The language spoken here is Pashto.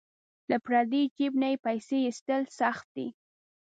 له پردي جیب نه پیسې ایستل سخت دي.